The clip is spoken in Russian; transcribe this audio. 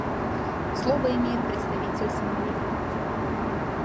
Слово имеет представитель Сомали.